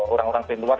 orang orang dari luar